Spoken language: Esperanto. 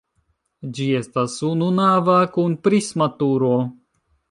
Ĝi estas ununava kun prisma turo.